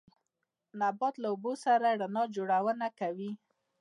نبات د اوبو سره رڼا جوړونه کوي